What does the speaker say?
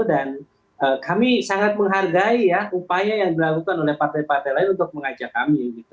dan kami sangat menghargai upaya yang dilakukan oleh partai partai lain untuk mengajak kami